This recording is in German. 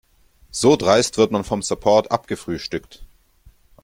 So dreist wird man vom Support abgefrühstückt.